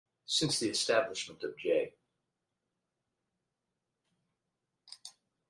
Since the establishment of J.